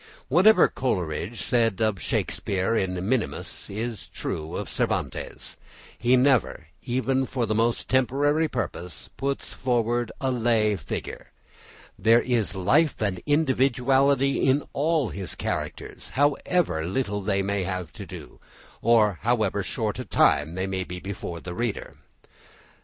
What Coleridge said of Shakespeare in minimis is true of Cervantes; he never, even for the most temporary purpose, puts forward a lay figure. There is life and individuality in all his characters, however little they may have to do, or however short a time they may be before the reader.